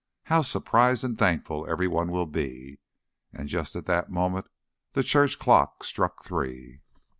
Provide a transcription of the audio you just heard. How surprised and thankful everyone will be!" And just at that moment the church clock struck three.